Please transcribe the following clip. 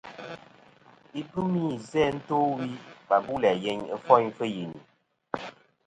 Ibɨmi izæ to wi và bu læ yeyn ɨfoyn fɨ yini.